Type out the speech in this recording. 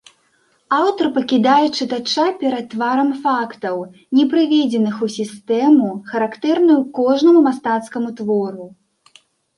Аўтар пакідае чытача перад тварам фактаў, не прыведзеных у сістэму, характэрную кожнаму мастацкаму твору.